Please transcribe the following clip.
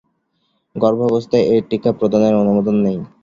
গর্ভাবস্থায় এ টিকা প্রদানের অনুমোদন নেই।